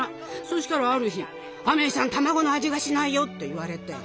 そしたらある日「アメイさん卵の味がしないよ」って言われて。